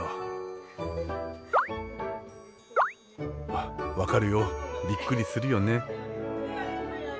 あっ分かるよびっくりするよね。